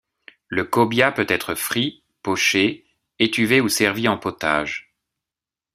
Le Cobia peut être frit, poché, étuvé ou servi en potage.